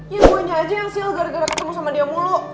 ya bu aja aja yang sial gara gara ketemu sama dia mulu